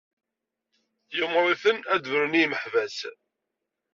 Yumeṛ-iten ad d-brun i imeḥbas.